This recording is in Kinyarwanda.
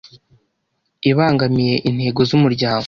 ibangamiye intego z umuryango